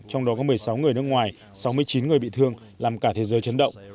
trong đó có một mươi sáu người nước ngoài sáu mươi chín người bị thương làm cả thế giới chấn động